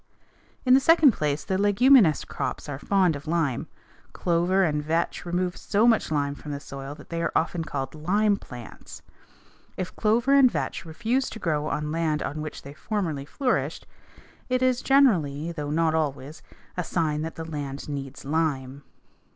In the second place, the leguminous crops are fond of lime. Clover and vetch remove so much lime from the soil that they are often called lime plants. If clover and vetch refuse to grow on land on which they formerly flourished, it is generally, though not always, a sign that the land needs lime.